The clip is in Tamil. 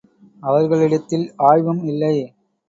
அவர்களிடத்தில் ஆய்வும் இல்லை!